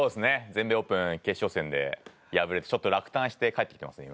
全米オープン決勝戦で敗れてちょっと落胆して帰ってきてますね